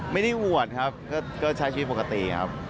ไม่ได้อวดครับก็ใช้ชีวิตปกติครับ